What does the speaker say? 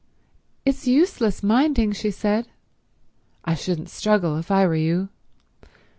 "It's useless minding," she said. "I shouldn't struggle if I were you.